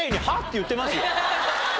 言ってますよ。